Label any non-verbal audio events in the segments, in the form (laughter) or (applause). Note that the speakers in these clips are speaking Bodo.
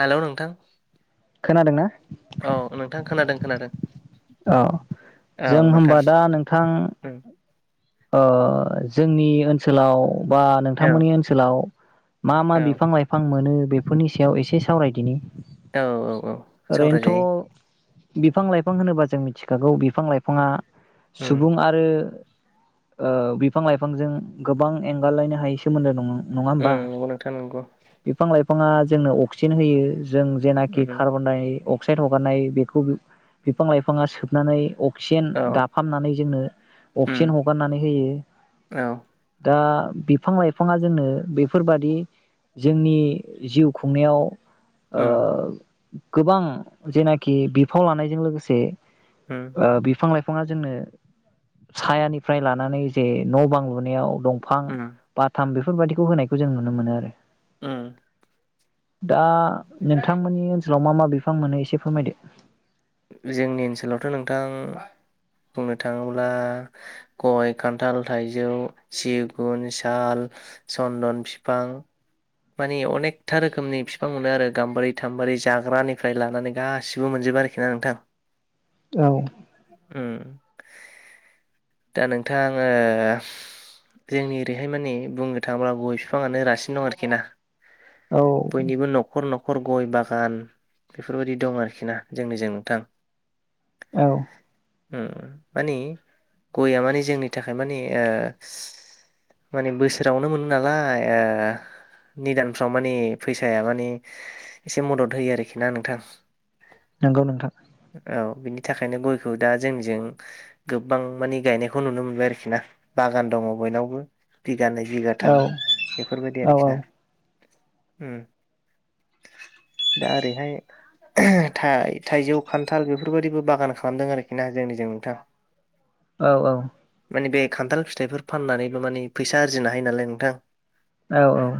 हेल' नोंथां खोनादोंना? औ नोंथां खोनादों खोनादों। औ जों औ नोंथां होनबा दा नोंथां उम ओ जोंनि ओनसोलाव बा औ नोंथांमोननि ओनसोलाव मा मा औ बिफां लाइफां मोनो बेफोरनि सायाव एसे सावराय दिनि औ औ औ सावराय जायो। बिफां लाइफां होनोबा जों मिथिखागौ बिफां लाइफाङा उम सुबुं आरो ओ बिफां लाइफांजों गोबां एंगार लायनो हायै सोमोन्दो दङ। नङा उम नंगौ नोंथां नंगौ। फाङा जोंनो अक्सिजेन होयो जों जेनाखि उम कार्बन डाइ अ अक्साइड हगारनाय बेखौ बि बिफां लाइफाङा सोबनानै अ क्सिजेन औ दाफाम नानै जोंनो उम अक्सिजेन ह गारनानै होयो औ दा बिफां लाइफाङा जोंनो बेफोर बादि जोंनि जिउ खुंनायाव ओ उम गोबां जेनाखि बिफाव लानायजों लोगोसे उम आ बिफां लाइफां बिफाङा जोंनो सायानि फ्राय लानानै जे न' बां लुनायाव दंफां उम बाथाम दो बेफोर बायदिखौ होनायखौ जों नुनो मोनो आरो। ओम। दा नोंथां मोननि ओनसोलाव मा मा बि बिफां मोनो एसे फोरमायदो जोंनि ओनसोलावथ' नोंथां बुंनो थाङोब्ला गय खान्थाल थाइजौ सिगुन साल सन्दन फिफां मानि अनेखथा रोखोमनि बिफां मोनो आरो गाम्बारि थाम्बारि जाग्रानिफ्राय लानानै गासिबो मोनजोबो आरोखि ना नोंथां औ उम दा नोंथां ओ जोंनि ओरैहाय माने बुंनो थाङोब्ला गय फिफाङानो रासिन दं आरोखि खेना औ बयनिबो न'खर न'खर खर गय बागान बेफोरबायदि दं आरोखि ना जोंनिजों नोंथां औ होम माने गया माने जोंनि थाखाय मानि माने बोसोरावनो मोनो नालाय ओ निदानफ्राव माने फैसाया माने एसे मदद होयो आरोखि ना नोंथां नंगौ नोंथां औ बिनि थाखायनो गयखौ दा जोंनिजों गोबां मानो गायनायखौ नुनो मोनबाय आरोखि ना बागान दङ बयनावबो बि गानै औ बिगाथाम बेफोरबायदि औ आरोखि ना उम दा ओरैहाय थाइजौ खान्थाल बेफोरबादिबो बागान खालामदों आरोखि ना जोंनिजों नोंथां औ औ माने बे खान्थाल फिथाइफोर फाननानैबो माने फैसा आरजिनो हायो नालाय नोंथां औ औ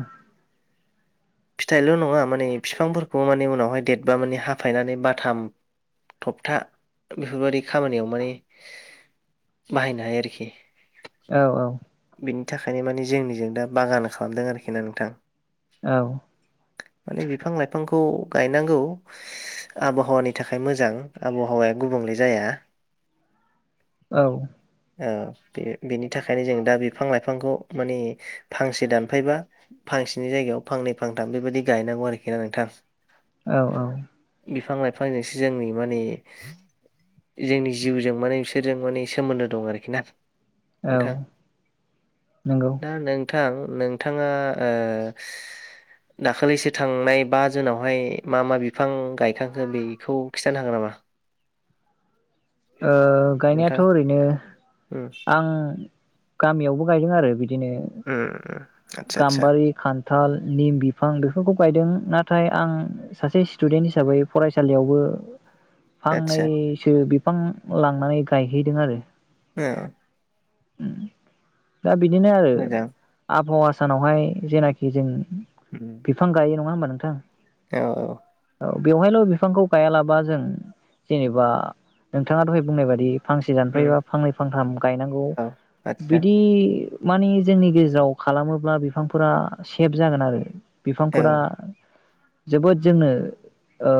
फिथाइल' नङा माने बिफांफोरखौ माने उनावहाय देरबा माने हाफायनानै बाथाम थबथा बेफोरबायदि खामानियाव माने बाहायनो हायो आरोखि औ औ बिनि थाखायनो माने जोंनिजों दा बागान खालामदों आरोखि ना नोंथां औ माने बिफां लाइफांखौ गायनांगौ आबहावानि थाखाय मोजां आबहावाया गुबुंले जाया औ ओ बेनि थाखायनो जों दा बिफां लाइफांखौ माने फांसे दानफायबा फांसेनि जायगायाव फांनै फांथाम बेबायदि गायनांगौ आरोखि ना नोंथां औ औ बिफांजोंसो जोंनि माने जोंनि जिउजों माने बिसोरजों माने सोमोन्दो दं आरोखि ना औ नोंथां नंगौ दा नोंथां नोंथाङा ओ दाखालिसो थांनाय बा जुनावहाय मा मा बिफां गायखांखो बेखौ खिन्थानो हागोन नामा ओ गायनायाथ' नोंथां ओरैनो उम आं गामियावबो गायदों आरो बिदि बिदिनो उम आदसा आदसा गाम्बारि खान्थाल निम बिफां बेफोरखौ गायदों नाथाय आं सासे स्टुडेन्ट हिसाबै फरायसालियावबो आदसा फांनैसो फां लांनानै गायहैदों आरो ए उम दा बिदिनो आरो मोजां आबहावा सानावहाय जेनाखि जों उम बिफां गायो नङा होमबा नों थां औ औ औ बेवहायल' बिफांखौ गायालाबा जों जेनेबा नोंथाङा दहाय बुंनाय बायदि फांसे उम दानफैबा फांनै फांथाम गायनांगौ औ आदसा बिदि मानि जोंनि गेजेराव खालामोब्ला बिफांफोरा सेभ जागोन आरो औ बिफांफोरा जोबोद जोंनो ओ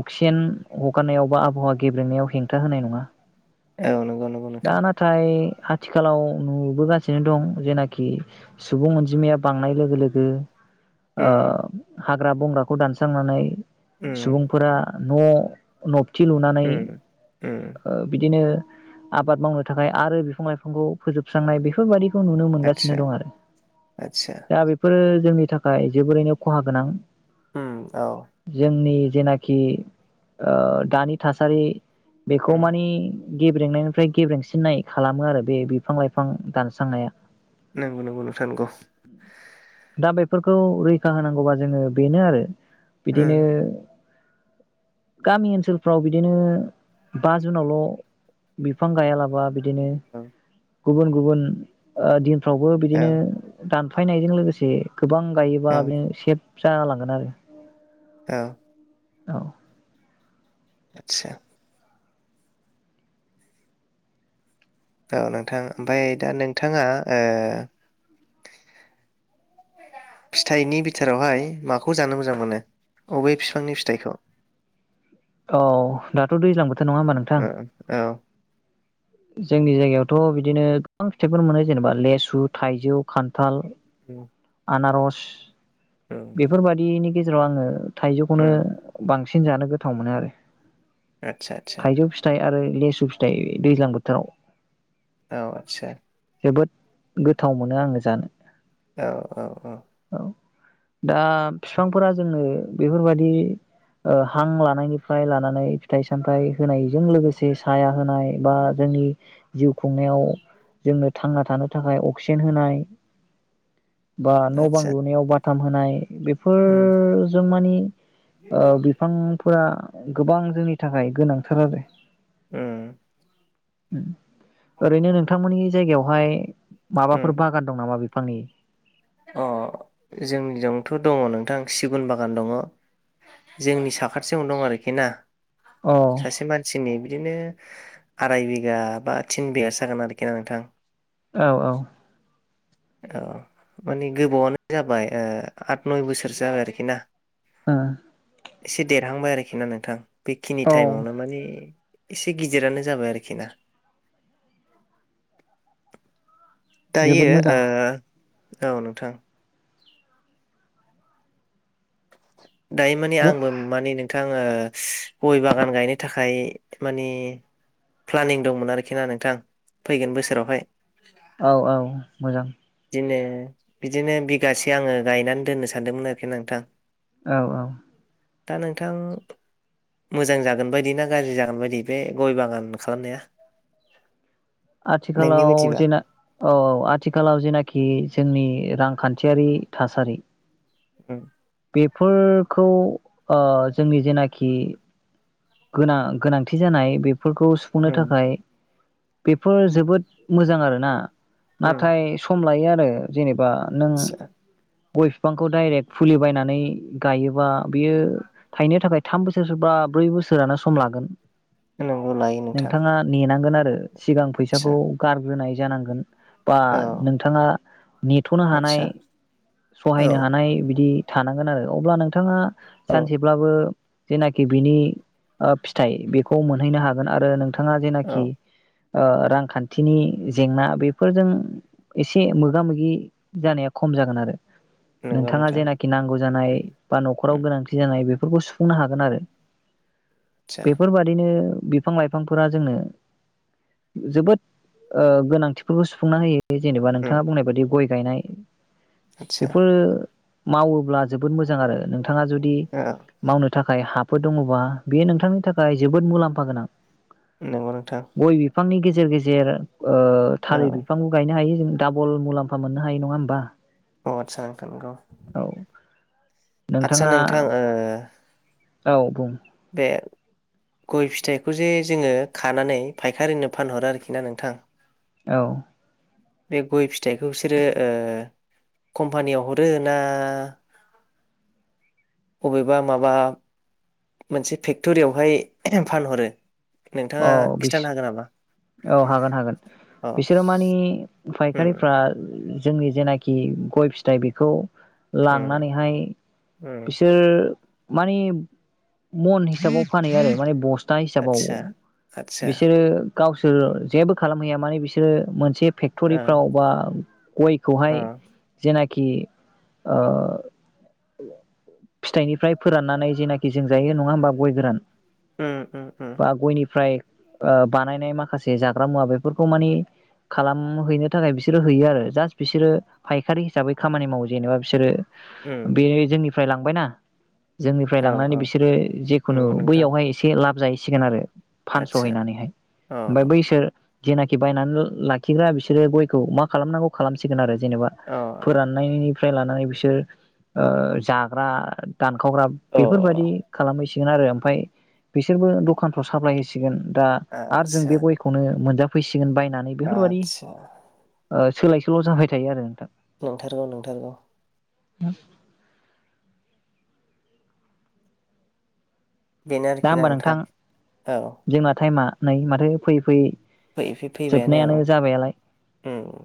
अक्सिजेन हगारनायाव बा आबहावा गेब्लेनायाव हेंथा होनाय नङा औ नंगौ नंगौ नोंथां। दा नाथाय आथिखालाव नुबोगासिनो दं जेनाखि सुबुं अनजिमाया बांनाय लोगो लोगो ओ उम हाग्रा बंग्राखौ दानस्रांनानै उम सुबुंफोरा न' (unintelligible) थि लुनानै उम उम ओ बिदिनो आबाद मावनो थाखाय आरो बि फां लाइफांखौ फोजोबस्रांनाय बेफोरबायदि खौ नुनो मोनगासिनो आतसा दं आरो आतसा दा बेफोरो जोंनि थाखाय जोबोरैनो खहा गोनां उम औ जोंनि जेनाखि ओ दानि थासारि बेखौ उम माने गेब्रेंनायनिफ्राय गेब्रेंसिननाय खालामो आरो बे बिफां लाइफां दानस्रांनाया नंगौ नंगौ नोंथां नंगौ फोरखौ रैखा होनांगौबा जोङो बेनो आरो बिदिनो उम गामि ओनसोलफ्राव बिदिनो बा जुनावल' बिफां गायालाबा बिदिनो औ गुबुन गुबुन ओ दिन फ्रावबो औ बिदिनो दान फायनायजों लोगोसे गोबां गायोबा औ बे सेब जा लांगोन आरो औ औ आतसा औ नोंथां ओमफ्राय दा नोंथाङा ओ फिथाइनि बिथोरावहाय माखौ जानो मोजां मोनो अबे फिफांनि फिथाइखौ औ दाथ' दैज्लां बो उम औ जोंनि जायगायावथ' बिदिनो गोबां फिथाइफोर मोनो जेनेबा लेसु थाइजौ खान्थाल (inaudible) आनारस उम बेफोरबायदिनि गेजेराव आङो थाइजौखौनो उम बां सिन जानो गोथाव मोनो आरो आतसा आतसा थाइजौ फिथाइ आरो (inaudible) (inaudible) औ आदसा जोबोद गोथाव मोनो आङो जानो औ औ औ दा बिफांफोरा जोंनो बेफोरबायदि हां लानायनिफ्राय लानानै फिथाइ सामथाइ होनायजों औ लोगोसे साया होनाय बा जोंनि जिउ खुंनायाव जोंनो थांना थानो थाखाय अक्सिजेन होनाय बा न' बां आतसा लुनायाव बाथ (inaudible) उम बेफोर ज मानि बिफांफोरा गोबां जोंनि थाखाय गोनांथार आरो (inaudible) (inaudible) ओरैनो नोंथांमोननि जायगायाव हाय माबाफोर उम बागान दं नामा बेफोर फांनि अ जोंनिजोंथ' दङ नोंथां सिगुन बागान दङ जोंनि साखाथियावनो दं आरोखि ना औ सासे मानसिनि बिदिनो आराय बिघा बा थिन बिगासो जागोन आरोखि ना नोंथां । औ औ औ माने गोबावनो जाबाय ओ आद नय बोसोर जाबाय आरोखि ना ओ एसे देरहांबाय आरोखि ना नोंथां बेखिनि औ टाइमावनो माने एसे गिदिरानो जाबाय आरोखि ना । दायो जोबोद मोजां ओ औ नोंथां । दायो माने आंबो माने नों नोंथां ओ गय बागान गायनो थाखाय मानि प्लानिं दंमोन आरोखि ना नोंथां फैगोन बोसोरावहाय औ औ मोजां बिदिनो बिदिनो बिगासे आङो गायनानै दोननो सानदोंमोन आरोखि नोंथां । औ औ दा नोंथां मोजां जागोन बायदि ना गाज्रि जागोन बायदि बे गय बागान खालामनाया? नोंनि आथिखालाव बायदिबा जेना औ औ आथिखालाव जेना खि जोंनि रांखान्थियारि थासारि ओम बेफोरखौ ओ जोंनि जेनाखि गोनां गोनांथि जानाय बे फोरखौ सुफुंनो उम थाखाय बेफोर जोबोद मोजां आरोना । उम नाथाय सम लायो आ (unintelligible) जेनेबा नों आदसा गय फिफांखौ डाइरेक फुलि बायनानै गायोबा बियो थायनो थाखाय थाम बोसोर बा ब्रै बोसोरानो सम लागोन । नंगौ लायो नोंथां नोंथाङा नेनांगोन आरो ओ सिगां फैसाखौ आदसा गारग्रोनाय जानांगोन बा औ नोंथाङा नेथ'नो हानाय आदसा औ सहायनो हानाय बि दि थानांगोन आरो अब्ला नोंथाङा औ सानसेब्लाबो जेनाखि बिनि ओ फिथाइ बेखौ मोनहैनो हागोन आरो नोंथां ङा औ जेनाखि ओ रांखान्थिनि जेंना बेफोरजों एसे मोगा मोगि जानाया खम जागोन आरो नंगौ नोंथाङा नोंथां जेनाखि नांगौ जानाय उम बा न'खराव उम गोनांथि जानाय नाय बेफोरखौ सुफुंनो हागोन आरो आदसा बेफोरबादिनो बिफां लाइफांफोरा जोंनो जोबोद ओ गोनांथिखोबो सुफुंना होयो बे जेनेबा उम नोंथाङा बुंनाय बायदि गय गायनाय आदसा बेफोरो मावोब्ला जोबोद मोजां आरो नोंथा थाङा जुदि औ मावनो थाखाय हाब फोर दङबा बेयो नोंथांनि थाखाय जोबोद मुलाम्फा गोनां नंगौ नोंथां। गय बिफांनि गेजेर गेजेर ओ औ थालिर बिफांबो गायनो हायो जों। डाबल मुलाम्फा मोननो हायो नङा होमबा? अ आदसा नोंथां नंगौ। औ। आदसा नोंथाङा नोंथां ओ औ बुं बे गय फिथाइखौ जे जोङो खानानै फाइखारिनो फानहरो आरोखि ना नोंथां। औ। बे गय फिथाइखौ बिसोरो ओ कम्पानियाव हरो ना बबेबा माबा मोनसे फेक्टरियावहाय फानहरो? नोंथाङा औ बिस खिथानो हागोन नामा? औ हागोन। हागोन औ बिसोरो मानि उम फायखारिफोरा जोंनि जेनाखि गय फिथाइ बेखौ उम लांनानैहाय उम बिसोर माने मन हिसाबाव फान हैयो आरो माने बस्था था हिसाबाव आतसा आतसा बिसोरो गावसोर जेबो खालामहैया माने बिसोरो मोनसे ओ फेक्ट'रिफ्राव बा ओ गयखौहाय जेना कि ओ फिथाइनिफ्राय फोराननानै जेनाखि जों जायो नङा होमबा गय गोरान उम उम उम बा गयनि फ्राय ओ बानायनाय माखासे जाग्रा मुवा बेफोरखौ मानि खालामहैनो थाखाय बिसोरो हैयो आरो जास्ट बिसोरो फायखारि हिसाबै खामानि मावो जेनेबा बिसोरो बे उम जोंनि फ्रायलांबाय ना। जोंनिफ्राय औ लांनानै औ बिसोरो जेखुनु नंगौ नोंथां बैयावहाय एसे लाब जायोसै सिगोन आरो। फानस' आदसा हैैनानैहाय औ ओमफफ्राय औ बैसोर जेनाखि बायनानै लाखिग्रा बिसोरो गयखौ मा खालामनांगौ खालामसिगोन आरो। जेनेबा औ फोराननायनि फ्राय लानानै बिसोर ओ जाग्रा दानखावग्रा अ बेफोरबायदि खालामैस सिखोन आरो ओमफाय बिसोरबो दखानफ्राव साफ्लाइ सिगोन दा आरो जों आदसा बे गयखौनो मोनजा सिखोन बायनानै बेफोरबायदि आदसा ओ सोलायसोल' जाबाय थायो आरो नोंथां नंथारगौ नंथारगौ (unintelligible) बेनो दा आरोखि ना होमबा नोंथां औ जोंना टाइमा नै माथो फैयै फैयै फै फै फैबायानो औ जोबनायानो जाबायालाय ओम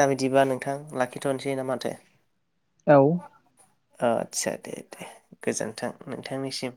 दा बिदिबा नोंथां लाखिथ'नोसै ना माथो औ आदसा दे दे गोजोन्थों नोंथांनिसिम